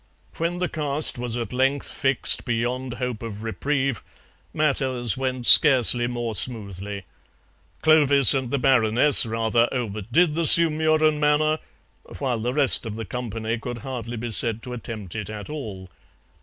When the cast was at length fixed beyond hope of reprieve matters went scarcely more smoothly. Clovis and the Baroness rather overdid the Sumurun manner, while the rest of the company could hardly be said to attempt it at all.